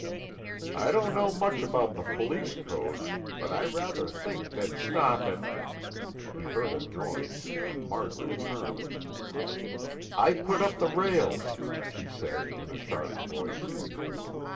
"I don't know much about the police code, but I rather think they'd stop at " He heard a noise and Margaret turned. "I put up the rails," she said in a sharp voice.